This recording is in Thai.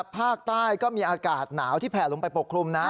ภาคใต้ก็มีอากาศหนาวที่แผ่ลงไปปกคลุมนะ